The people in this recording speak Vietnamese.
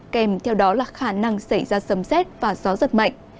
kèm theo đó là khả năng xảy ra sầm xét và gió giật mạnh